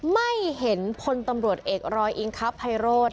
ไม่เห็นพลตำรวจเอกรอยอิงคภัยโรธ